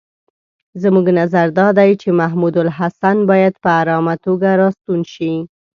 زموږ نظر دا دی چې محمودالحسن باید په آرامه توګه را ستون شي.